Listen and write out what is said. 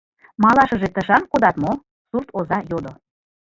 — Малашыже тышан кодат мо? — сурт оза йодо.